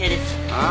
ああ？